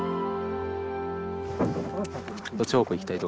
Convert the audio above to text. どっち方向行きたいとかある？